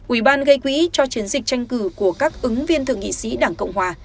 ủy ban gây quỹ cho chiến dịch tranh cử của các ứng viên thượng nghị sĩ đảng cộng hòa